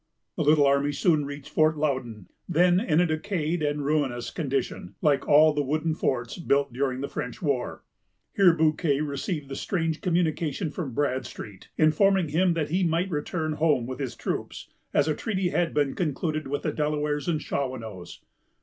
The little army soon reached Fort Loudon, then in a decayed and ruinous condition, like all the wooden forts built during the French war. Here Bouquet received the strange communication from Bradstreet, informing him that he might return home with his troops, as a treaty had been concluded with the Delawares and Shawanoes.